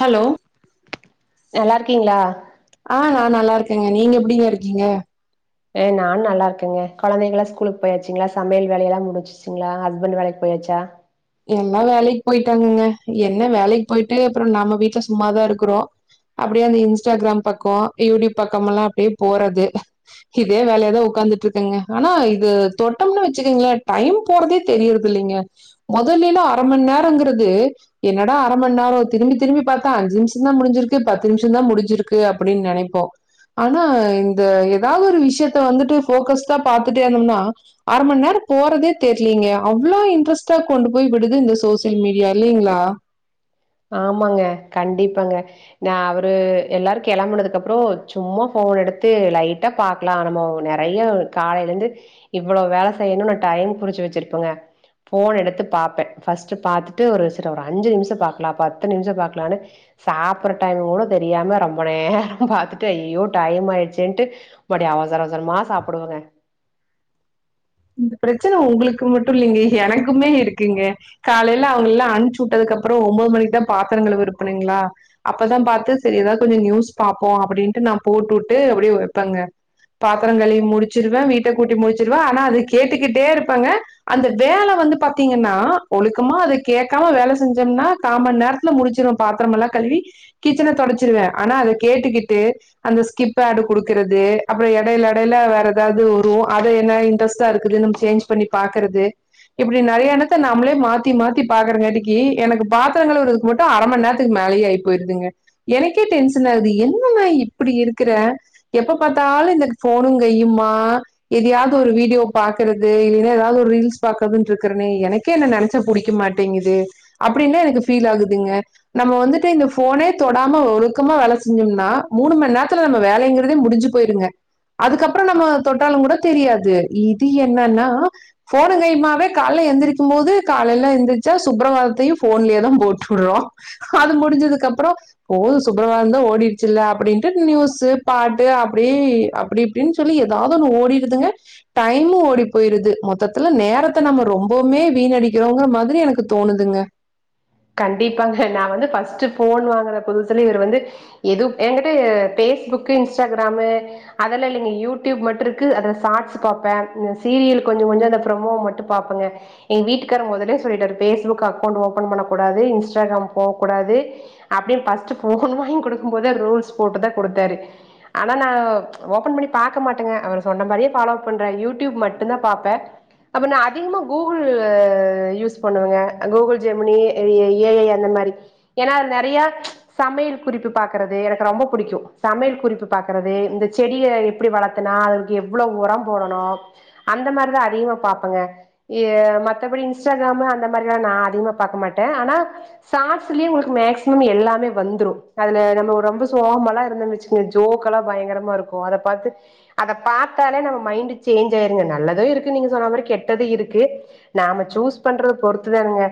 hello நல்லாருக்கிங்ளா ஆ நா நல்லாருக்கேங்க நீங்க எப்டிங்க இருக்கிங்க ஆ நா நல்லாருக்கங்க கொழந்தைகளா ஸ்கூலுக்கு போயாச்சுங்ளா சமையல் வேலை எல்லா முடிச்சு சுங்ளா ஹஸ்பண்ட் வேலைக்கு போயாச்சா எல்லா வேலைக்கு போயிட்டாங்கங்க என்ன வேலைக்கு போயிட்டு அப்பற நம்ம வீட்ல சும்மாதா இருக்குறோ அப்டியே அந்த இன்ஸ்டாகிராம் பக்க யூடியூப் பக்கமெல்லா அப்டியே போறது இதே வேலையாதா உக்காந்துட்ருக்கங்க ஆனா இது தொட்டம்னு வெச்சுக்கங்களே டைம் போறதே தெரியறதில்லிங்க மொதலிலா அரை மண் நேரங்கிறது என்னடா அரை மண் நேர திரும்பி திரும்பி பாத்தா அஞ்சு நிமிஷந்தா முடிஞ்சிருக்கு பத்து நிமிஷந்தா முடிஞ்சிருக்கு அப்படின் நெனைப்போ ஆனா இந்த எதாவதொரு விஷயத்த வந்துட்டு ஃபோகஸ்டா பாத்துட்டே இருந்தம்னா அரை மண் நேர போறதே தெர்லிங்க அவ்ளோ இன்ட்ரெஸ்ட் டா கொண்டு போய் விடுது இந்த சோசியல் மீடியா இல்லைங்ளா ஆமாங்க கண்டிப்பாங்க நா அவரு எல்லாரு கெளம்பனதுக்கு அப்புறோ சும்மா ஃபோன் எடுத்து லைட்டா பா க்கலா நம்மோ நெறைய காலைலந்து இவ்ளோ வேலை செய்யணுன் நா டைம் குறிச்சு வெச்சிருப்பங்க ஃபோன் எடுத்து பாப்ப ஃபஸ்ட்டு பாத்துட்டு ஒரு செரி ஒரு அஞ்சு நிமிஷ பாக்கலா பத்து நிமிஷ பாக்கலானு சாப்பட்ற டைம் கூட தெரியாம ரொம்ப நேர பாத்துட்டு ஐயோ டைம் ஆயிடுச்சேன்ட்டு மவுடி அவசர அவசரமா சாப்புடுவங்க இந்த பிரச்சனை உங்களுக்கு மட்டு இல்லைங்க எனக்குமே இருக்குங்க காலையில அவங்கள எல்லா அனுப்ச்சுட்டதுக்கு அப்புற ஒம்போது மணிக்குதா பாத்திரங் கழுவ இருப்பனுங்களா அப்பதா பாத்து செரி எதா கொஞ்ச நியூஸ் பாப்போ அப்படின்ட்டு நா போட்டுட்டு அப்படியே வெப்பங்க பாத்திர கழுவி முடிச்சிருவே வீட்ட கூட்டி முடிச்சிருவே ஆனா அத கேட்டு கிட்டே இருப்பங்க அந்த வேல வந்து பாத்திங்கன்னா ஒழுக்கமா அத கேக்காம வேல செஞ்சம்னா காமன் நேரத் துல முடிச்சிருவ பாத்திரமெல்லா கழுவி கிச்சன தொடச்சிருவே ஆனா அத கேட்டுக்கிட்டு அந்த ஸ்கிப் ஆடு குடுக்குறது அப்புற எடையில எடையில வேற எதாவது வரு அத என்ன இன்ட்ரெஸ்ட் புதுசா இருக்குது நம்ம சேஞ்ச் பண்ணி பாக்கறது இப்படி நறைய எனத்த நம்ளே மாத்தி மாத்தி பாக்குறங்காட்டிக்கி எனக்கு பாத்திரங் கழுவருதுக்கு மட்டு அர மண் நேரத்துக்கு மேலேயே ஆய் போயிருதுங்க எனக்கே டென்ஷன் ஆகுது என்னமா இப்படி இருக்கிற எப்ப பார்த்தாலு இந்தக் போனு கையுமா எதையாவ்து ஒரு வீடியோ பாக்குறது இல்லைன்னா எதாவது ஒரு ரீல்ஸ் பாக்கதுன்ருக்கென்னே எனக்கே என்ன நெனச்சா புடிக்க மாட்டேங்குது அப்படின்னா எனக்கு ஃபீல் ஆகுதுங்க நம்ம வந்துட்டு இந்த ஃபோனே தொடாம ஒழுக்கமா வேல செஞ்சோம்னா மூனு மண் நேரத்துல நம்ம வேலைங்கிறதே முடுஞ்சு போய்ருங்க அதுக்கப்புற நம்ம தொட்டாலு கூட தெரியாது இது என்னன்னா ஃபோனுங்கையுமாவே கால்ல எந்திரிக்கும் போது காலைல எந்திரிச்சா சுப்பரவாதத்தையு போன்லயே தா போட்டுற்றோ அது முடிஞ்சதுக்கப்பறோ போது சுப்பரவாததா ஓடிர்ச்சுல்ல அப்படின்டு நியூஸ்சு பாட்டு அப்படியே அப்படி இப்டின் சொல்லி எதாவது ஒன்னு ஓடிருதுங்க டைமு ஓடி போய்ருது மொத்தத்துல நேரத்த நம்ம ரொம்போம்மே வீணடிக்கிறோங்குற மாதிரி எனக்கு தோணுதுங்க கண்டிப்பாங்க நா வந்து ஃபஸ்ட்டு ஃபோன் வாங்கற புதுசல இவரு வந்து எது எங்கிட்ட பேஸ்புக்கு இன்ஸ்டாகிராமு அதலா இல்லைங்க யூடியூப் மட்டு இருக்கு அதுல ஷாட்ஸ் பாப்பே சீரியல்லு கொஞ்ச கொஞ்ச அந்த ப்ரொமோ மட்டு பாப்பங்க எங் வீட்டுக்காரு மொதலே சொல்லிட்டாரு பேஸ்புக் அக்கௌண்ட் ஓபன் பண்ணக் கூடாது இன்ஸ்டாகிராம் போ கூடாது அப்படியே பஸ்ட்டு போன்னு வாங் குடுக்கும் போதே ரூல்ஸ் போட்டுதா குடுத்தாரு ஆனா நா ஓபன் பண்ணி பாக்க மாட்டங்க அவரு சொன்ன மாரியே ஃபாலோப் பண்ற யூடியூப் மட்டுந்தா பாப்பே அப்ப நா அதிகமா கூகுள் யூஸ் பண்ணுவே கூகுள் ஜெம்னி ஏ ஐ அந்த மாரி ஏன்னா நெறையா சமையல் குறிப்பு பார்கறது எனக்கு ரொம்ப புடிக்கு சமையல் குறிப்பு பாக்கறது இந்த செடிய எப்படி வளத்தனா அதுக்கு எவ்ளோ உரம் போடணு அந்த மாருதா அதிகமா பாப்பங்க எ மத்தபடி இன்ஸ்டாகிராமு அந்த மாரில்லா நா அதிகமா பாக்க மாட்டே ஆனா சாட்ஸ்லியே உங்களுக்கு மேக்சிமம் எல்லாமே வந்துரு அதுல நம்ம ரொம்ப சோகமல்லா இருந்தன் வச்சு ஜோக்கல்லா பயங்கரமா இருக்கு அத பாத்து அத பாத்தாலே நம்ம மைண்டு சேஞ்ச் ஆயிருங்க நல்லது இருக்கு நீங்க சொன்ன மாரி கெட்டது இருக்கு நாம சூஸ் பண்றத பொறுத்து தானங்க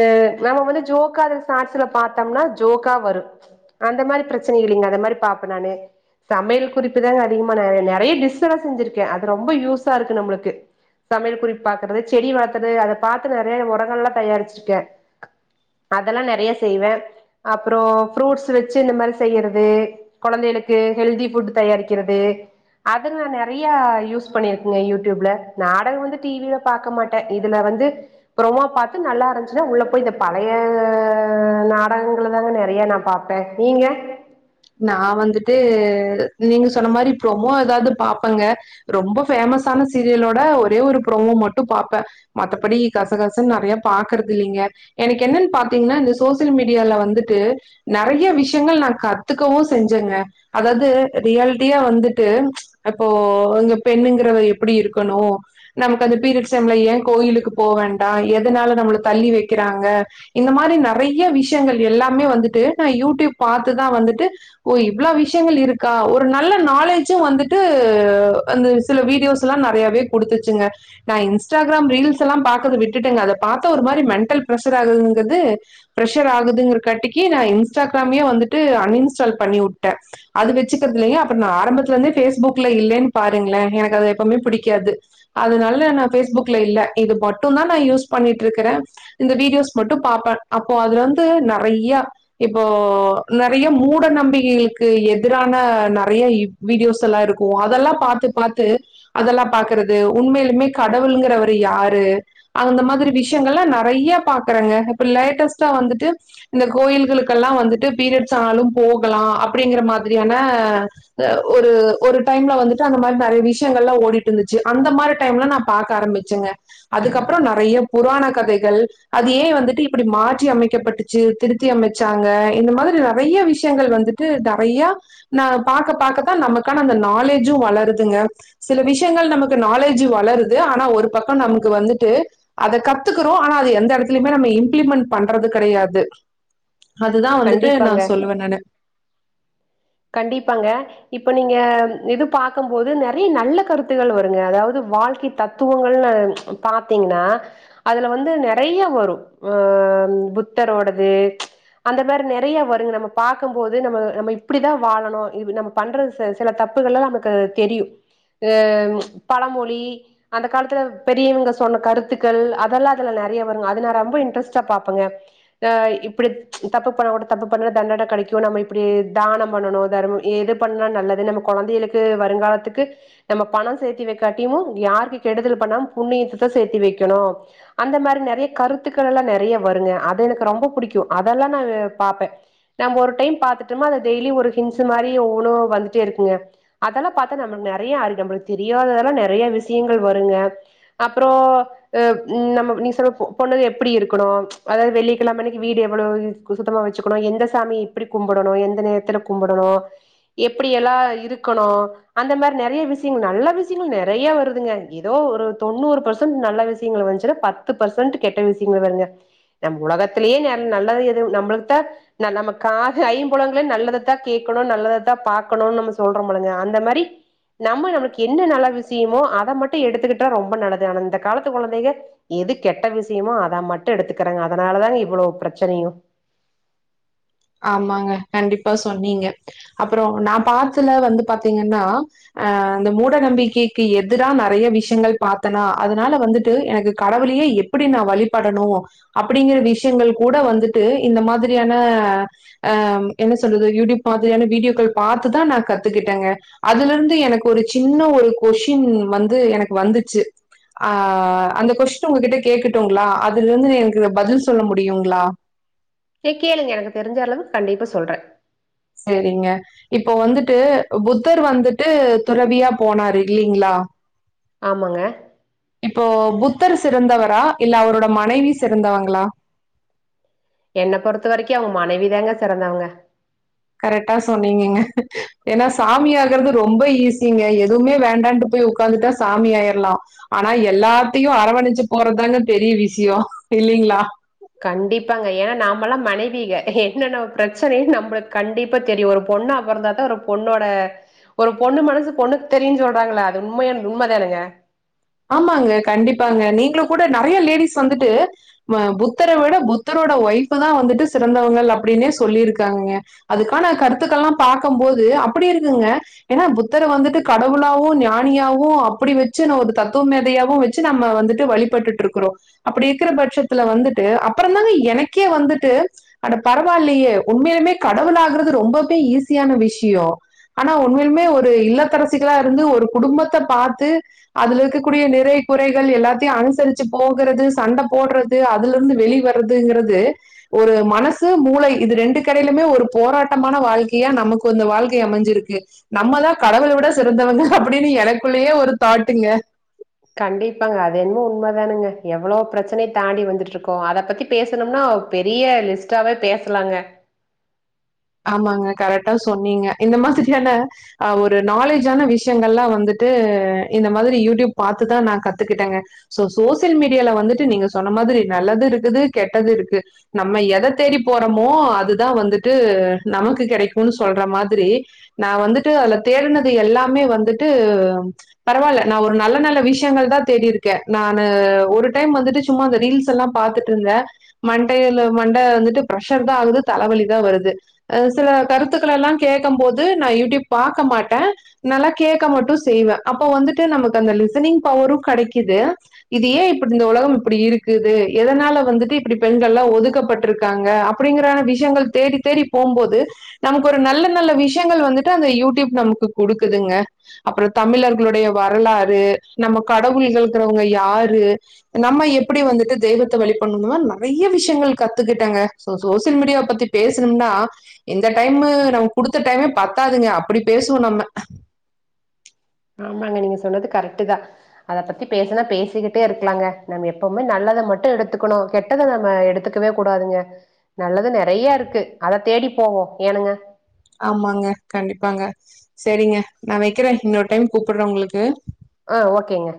ஆ நம்ம வந்து ஜோக்கா எது சாட்ஸ்ல பாத்தம்ன்னா ஜோக்கா வரு அந்த மாரி பிரச்சனை இல்லைங அந்த மாரி பாப்பே நானு சமையல் குறிப்பு தாங்க அதிகமா நா நெறைய டிஸ் எல்லா செஞ்சிருக்கே அது ரொம்ப யூஸா இருக்கு நம்மளுக்கு சமையல் குறிப் பாக்கறது செடி வளத்தறது அத பாத்து நெறைய உரங்கள்ல்லா தயாரிச்சிருக்கே அதெல்லா நெறைய செய்வே அப்புறோ ஃப்ரூட்ஸ் வச்சு இந்த மாரி செய்யறது கொழந்தைகளுக்கு ஹெல்தி ஃபுட் தயாரிக்கிறது அது நா நெறையா யூஸ் பண்ணியிருக்கேங்க யூடியூப்ல நாடக வந்து டி வி யில பாக்க மாட்டே இதுல வந்து அப்புறமா பாத்து நல்லா இருந் ச்சுன்னா உள்ள போய் இந்த பழைய நாடகங்கள தாங்க நெறைய நா பாப்பே நீங்க நா வந்துட்டு நீங்க சொன்ன மாரி ப்ரொமோ எதாவது பாப்பங்க ரொம்ப பேஃமஸ்சான சீரியலோட ஒரே ஒரு ப்ரோமோ மட்டு பாப்பே மத்தபடி கசகசன் நறைய பாக்குறது இல்லைங்க எனக்கு என்னன் பாத்தீங்ன்னா இந்த சோசியல் மீடியால வந்துட்டு நெறைய விஷ்யங்கள் நா கத் துக்கவு செஞ்சங்க அதாவ்து ரியால்ட்டியா வந்துட்டு அப்போ இங்க பெண்ணுங்கரவா எப்படி இருக்கணு நமக்கு அந்த பீரியட்ஸ் டைம்ல ஏ கோயிலுக்கு போ வேண்டா எதனால நம்மள தள்ளி வெக்கிறாங்க இந்த மாதிரி நறைய விஷ்யங்கள் எல்லாமே வந்துட்டு நா யூடியூப் பாத்துதா வந்து டு ஓ இவ்ளா விஷ்யங்கள் இருக்கா ஒரு நல்ல நாலேஜ்ஜு வந்துட்டு அந்த சில வீடியோஸ்ல்லா நெறையாவே குடுத்துச்சுங்க நா இன்ஸ்டாகிராம் ரீல்ஸ் எல்லா பாக்கறது விட்டுட்டங்க அத பாத்தா ஒரு மாரி மென்டல் ப்ரஷர் ஆகுதுங்கற்து ப்ரஷர் ஆகுதுங்றக்காட்டிக்கு நா இன்ஸ்டாகிராமயே வந்துட்டு அன்இன்ஸ்டால் பண்ணி உட்டே அது வெச்சுக்கிறதில்லயா அப்றோ நா ஆரம்பத்துலர்ந்தே ஃபேஸ்புக்ல இல்லன் பாருங்ளே எனக்கு அது எப்பமே பிடிக்காது அதுனால் நா நா ஃபேஸ்புக்ல இல்ல இது மட்டுந்தா நா யூஸ் பண்ணிட்ருக்கறே இந்த வீடியோஸ் மட்டு பாப்பே அப்ப அதுல வந்து நெறையா இப்போ நெறைய மூ ட நம்பிகைகளுக்கு எதிரான நெறைய இ வீடியோஸ் எல்லா இருக்கு அதெல்லா பாத்து பாத்து அதெல்லா பாக்கறது உண்மைலுமே கடவுளுங்கிறவரு யாரு அந்த மாதிரி விஷ்யங்கள்லா நெறைய பாக்கறங்க இப்ப லேட்டஸ்ட்டா வந்துட்டு இந்த கோயில்களுக்கெல்லா வந்துட்டு பீரியட்ஸ் ஆனாலு போகலா அப்டிங்கிற மாதிரியான த ஒரு ஒரு டைம்ல வந்துட்டு அந்த மாரி நெறைய விஷ்யங்கள்லா ஓடிட்ருந்துச்சு அந்த மாரி டைம்ல நா பாக்க ஆரம்பிச்சேங்க அதுக்கப்றோ நெறைய புராண கதைகள் அது ஏ வந்துட்டு இப்டி மாற்றி அமைக்கப்பட்டுச்சு திருத்தி அமச்சாங்க இந்த மாதிரி நெறைய விஷ் யங்கள் வந்துட்டு நெறையா நா பாக்க பாக்கக்கா நமக்கான அந்த நாலேஜு வளருதுங்க சில விஷ்யங்கள் நமக்கு நாலேஜு வளருது ஆனா ஒரு பக்கோ நமக்கு வந்துட்டு அத கத்துக்குறோ ஆனா அது எந்த எடத்துலயுமே நம்ம இம்ப்ளிமெண்ட் பண்றது கெடையாது அதுதா வந்துட்டு நா கண்டிப்பாங்க சொல்லுவே நானு கண்டிப்பாங்க இப்ப நீங்க இது பாக்கம் போது நெறைய நல்ல கருத்துகள் வருங்க அதாவ்து வாழ்க்கை தத்துவங்கள்னு பாத்தீங்னா அதுல வந்து நெறையா வரு ஆ புத்தரோடது அந்த மாரி நெறைய வருங் நம்ம பாக்கம்போது நம்ம நம்ம இப்டிதா வாழணு இவு நம்ம பண்றது செ சில தப்புகள்லா நமக்கு தெரியு அ பழமொழி அந்த காலத்துல பெரியவங்க சொன்ன கருத்துக்கள் அதெல்லா அதுல நெறைய வருங்க அது நா ரொம்ப இன்ட்ரெஸ்ட்டா பாப்பங்க த இப்பிடி தப்பு பண்ணா கூட தப்பு பண்ணுற தண்டன கெடைக்கு நம்ம இப்டி தானம் பண்ணனு தர்மோ எது பண்ணா நல்லது நம்ம கொழந்தைகளுக்கு வருங்காலத்துக்கு நம்ம பணம் சேத்தி வெக்காட்டியமு யாருக்கு கெடுதல் பண்ணாம் புண்ணியத்த தா சேத்தி வெக்கணு அந்த மாரி நெறைய கருத்துக்கள் எல்லா நெறைய வருங்க அது எனக்கு ரொம்ப புடிக்கு அதெல்லா நா பாப்பே நம்ப ஒரு டைம் பாத்துட்டமா அது டெய்லி ஒரு ஹின்ஸு மாரி ஒவ்வொன்னு வந்துட்டே இருக்குங்க அதெல்லா பாத்தா நம்மள்க் நெறைய அறி நம்பளுக் தெரியாததெல்லா நெறைய விசியங்கள் வருங்க அப்றோ அ நம்ம நீங் சொல்ற பொ பொண்ணுக எப்பிடி இருக்கணு அதாவ்து வெள்ளிக்கெழம அன்னிக்கி வீடு எவ்வளோ க்கு சுத்தமா வெச்சுக்கணு எந்த சாமி எப்பிடி கும்புடணு எந்த நேரத்துல கும்புடணு எப்பிடியெல்லா இருக்கணு அந்த மாரி நெறைய விசியங்கள் நல்ல விசியங்கள் நெறைய வருதுங்க எதோ ஒரு தொண்ணூறு பர்சன்ட் நல்ல விசியங்களு வந்ச்சு ன்னா பத்து பர்சன்ட்டு கெட்ட விசியங்க வருங்க நம் உலகத்திலே நன் நல்லது எது நம்ளுக் தா ந நம்ம கா ஐம்புலங்களயு நல்லதத்தா கேக்கணு நல்லதத்தா பாக்கணுன் நம்ம சொல்றமுல்லங்க அந்த மாரி நம்ம நமக் என்ன நல்ல விசியமோ அத மட்டு எடுத்துக்கிட்டா ரொம்ப நல்லது ஆனா இந்த காலத்து கொழந்தைங்க எது கெட்ட விசியமோ அத மட்டு எடுத்துக்கறாங்க அதனால தாங்க இவ்வளோ பிரச்சனையு ஆமாங்க கண்டிப்பா சொன்னீங்க அப்றோ நா பாத்துல வந்து பாத்தீங்கன்னா அ இந்த மூட நம்பிக்கைக்கு எதிரா நெறைய விஷ்யங்கள் பாத்தனா அதுனால வந்துட்டு எனக்கு கடவுளையே எப்பிடி நா வழிபடணு அப்டிங்கிற விஷ்யங்கள் கூட வந்துட்டு இந்த மாதிரியான அ என்ன சொல்றது யூடியூப் மாதிரியான வீடியோக்கள் பாத்துதா நா கத்துக்கிட்டேங்க அதுலர்ந்து எனக்கு ஒரு சின்ன ஒரு கொஷின் வந்து எனக்கு வந்துச்சு அ அந்த கொஸ்டின் உங்ககிட்ட கேக்கடூங்ளா அதுலர்ந்து எனக்கு பதில் சொல்ல முடியுங்ளா கே கேளுங்க எனக்கு தெரிஞ்ச அளவு கண்டிப்பா சொல்றெ சேரிங்க இப்பொ வந்துட்டு புத்தர் வந்துட்டு துறவியா போனாரு இல்லேங்ளா ஆமாங்க இப்போ புத்தர் சிறந்தவரா இல்ல அவரோட மனைவி சிறந்தவங்ளா என்ன பொறுத்த வரைக்கு அவங்க மனைவி தாங்க சிறந்தவங்க கரெட்டா சொன்னீங்கங்க ஏன்னா சாமியாகுறது ரொம்ப ஈஸிங்க எதுவ்மே வேண்டான்ட்டு போய் உக்காந்துட்டா சாமி ஆயிற்லா ஆனா எல்லாத்தையு அரவணச்சு போறத்தாங்க பெரிய விஷ்யோ இல்லேங்ளா கண்டிப்பாங்க ஏன்னா நாமல்லா மனைவிக என்னென்ன பிரச்சனை நம்மளுக்கு கண்டிப்பா தெரியு ஒரு பொண்ணா பொறந்த ஒரு பொண்ணோட ஒரு பொண்ணு மனசு பொண்ணுக்கு தெரியுன்னு சொல்றாங்கள அது உண்மய உண்ம தானுங்க ஆமாங்க கண்டிப்பாங்க நீங்களு கூட நெறைய லேடிஸ் வந்துட்டு புத்தர விட புத்தரோட ஒய்ஃப தா வந்துட்டு சிறந்தவங்கள் அப்டீனே சொல்லிருக்காங்கங்க அதுக்கான கருத்துக்கள்லா பாக்கும்போது அப்படி இருக்குங்க ஏன்னா புத்தர வந்துட்டு கடவுளாவு ஞானியாவு அப்படி வச்சு ந ஒரு த தத்துவ மேதையாவு வச்சு நம்ம வந்துட்டு வழிபட்டுட் ருக்குறோ அப்படி இருக்கிற பட்சத்துல வந்துட்டு அப்புறொ தாங்க எனக்கே வந்துட்டு ஆட பரவால்லையே உண்மையாலுமே கடவுள் ஆகுறது ரொம்பவே ஈஸியான விஷ்யொ ஆனா உண்மையிலுமே ஒரு இல்லத்தரசிகளா இருந்து ஒரு குடும்பத்த பாத்து அதுலக்குற கூடிய நிறை குறைகள் எல்லாத்தையு அனுசரிச்சு போகுறது சண்ட போட்றது அதுலர்ந்து வெளி வற்துங்குறது ஒரு மனசு மூளை இது ரெண்டு கெடையிலுமே ஒரு போராட்டமான வாழ்க்கையா நமக்கு இந்த வாழ்க்கை அமஞ்சிருக்கு நம்மல்ல கடவுள விட சிறந்தவங்க அப்டின்னு எனக்குள்ளேயே ஒரு தாட்டுங்க கண்டிப்பாங்க அது என்னவோ உண்மதானுங்க எவ்ளோ பிரச்சனைய தாண்டி வந்துட்ருக்கோ அத பத்தி பேசனும்னா பெரிய லிஸ்டாவே பேஸ்லாங்க ஆமாங்க கரெட்டா சொன்னீங்க இந்த மாதிரியான ஆ ஒரு நாலேஜான விஷயங்கல்லா வந்துட்டு இந்த மாதிரி யூட்யூப் பாத்துதா நா கத்துக்கிட்டங்க சோ சோசியல் மீடியால வந்துட்டு நீங்க சொன்ன மாதிரி நல்லது ருக்குது கெட்டது ருக்கு நம்ம எத தேடி போறோமோ அதுதா வந்துட்டு நமக்கு கெடைக்குன்னு சொல்ற மாதிரி நா வந்துட்டு அதுல தேட்னது எல்லாமே வந்துட்டு பரவால்ல நா ஒரு நல்ல நல்ல விஷயங்கள் தா தேடிருக்கே நா ஒரு டைம் வந்துட்டு சும்மா அந்த ரீல்ஸ்ஸெல்லா பாத்துட்ருந்த மண்டையில மண்ட வந்துட்டு ஃபிரஷர் தா ஆகுது தலவலி தா வருது சில கருத்துக்களல்லா கேக்கும் போது நா யூடியூப் பாக்க மாட்ட நல்லா கேக்க மட்டு செய்வே அப்போ வந்துட்டு நமக்கு அந்த லிசனிங் பவரு கெடைக்குது இது ஏ இப்டி இந்த உலகம் இப்டி இருக்குது எதனால வந்துட்டு இப்டி பெண்கள்லா ஒதுக்கப்பட்ருக்காங்க அ அப்டிங்குற விஷயங்கள் தேடி தேடி போம்போது நமக்கு ஒரு நல்ல நல்ல விஷயங்கள் வந்துட்டு அந்த யூடியூப் நமக்கு குடுக்குதுங்க அப்றோ தமிழர்களுடைய வரலாறு நம்ம கடவுள்கள்கறவங்க யாரு நம்ம எப்படி வந்துட்டு தெய்வத்த வழி பட்ணு மா நெறைய விஷயங்கள் கத்துக்கிட்டங்க சோ சோசியல் மீடியாவா பத்தி பேசணும்னா இந்த டைமு நம்ம குடுத்த டைமே பத்தாதுங்க அப்படி பேசுவோ நம்ம ஆமாங்க நீங்க சொன்னது கரெட்டு தா அத பத்தி பேசுனா பேசிக்கிட்டே இருக்கலாங்க நம்ம எப்பவுமே நல்லத மட்டு எடுத்துக்கணு கெட்டத நம்ம எடுத்துக்கவே கூடாதுங்க நல்லது நறைய இருக்கு அத தேடி போவோ ஏனுங்க ஆமாங்க கண்டிப்பாங்க சேரிங்க நா வைக்கிறே இன்னொரு டைம் கூப்புட்றே உங்களுக்கு ஆ ஓகேங்க